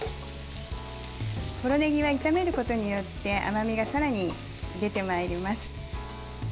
ポロねぎは炒めることによって甘みが、さらに出てまいります。